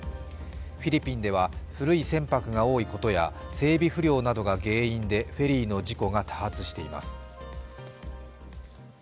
フィリピンでは古い船舶が多いことや、整備不良などが原因でフェリーの事故が多発しています。